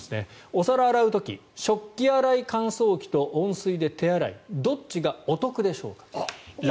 お皿を洗う時食器洗い乾燥機と温水で手洗いどっちがお得でしょうか。